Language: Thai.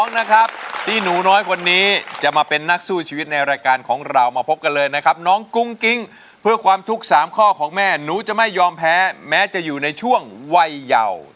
อยากมีรักใจเหมือนพระรามสู้ติดตามพานางสีรา